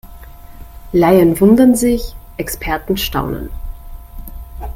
Laien wundern sich, Experten staunen.